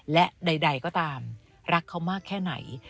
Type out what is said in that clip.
และใดก็ตามรักเขามากแค่ไหน